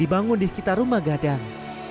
dibangun di sekitar rumah gadang